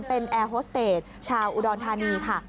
เป็นแอร์โฮสเตจชาวอุดรธานีค่ะ